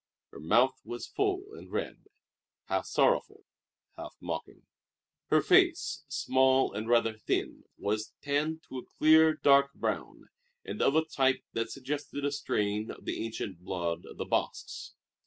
Her mouth was full and red, half sorrowful, half mocking. Her face, small and rather thin, was tanned to a clear, dark brown, and of a type that suggested a strain of the ancient blood of the Basques.